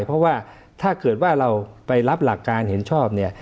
เพราะว่าถ้าเกิดว่าเราไปรับหลักการเห็นชอบเนี่ย